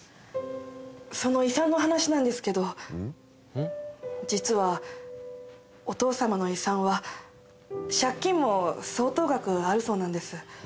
その遺産の話なんですけど実はお父様の遺産は借金も相当額あるそうなんです